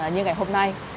như ngày hôm nay